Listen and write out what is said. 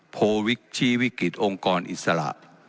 โพวิกชี้วิกฤตองค์กรอิสระ